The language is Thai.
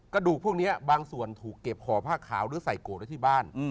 กระดูกพวกนี้บางส่วนถูกเก็บห่อผ้าขาวหรือใส่โกรธไว้ที่บ้าน